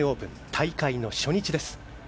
大会の初日です。